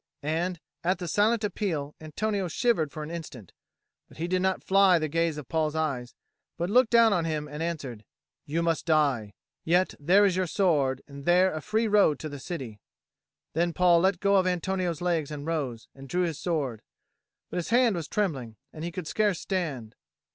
And at the silent appeal Antonio shivered for an instant, but he did not fly the gaze of Paul's eyes, but looked down on him and answered, "You must die. Yet there is your sword, and there a free road to the city." Then Paul let go Antonio's legs and rose, and drew his sword. But his hand was trembling, and he could scarce stand.